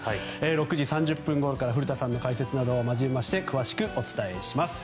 ６時３０分ごろから古田さんの解説を交えまして詳しくお伝えします。